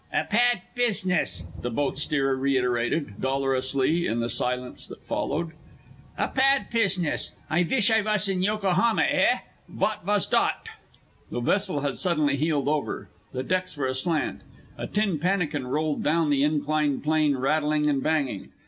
"A pad piziness," the boat steerer reiterated, dolorously, in the silence which followed. "A pad piziness. I vish I was in Yokohama. Eh? Vot vas dot?" The vessel had suddenly heeled over. The decks were aslant. A tin pannikin rolled down the inclined plane, rattling and banging.